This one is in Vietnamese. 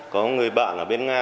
có người bạn ở bên nga